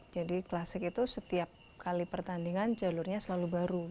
jadi klasik itu setiap kali pertandingan jalurnya selalu baru